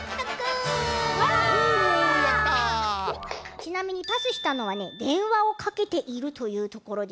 ちなみにパスしたのはね「電話をかけている」というところでしたね。